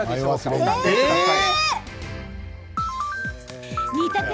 お考えください。